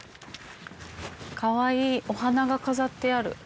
かわいいお花が飾ってある。